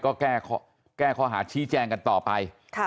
ก็แก้ข้อหาชี้แจงกันต่อไป